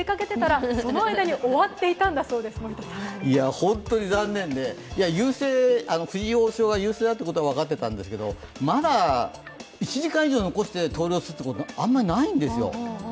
本当に残念で、藤井王将が優勢だということは分かってたんですけどまだ１時間以上残して投了することはあんまりないんですよ、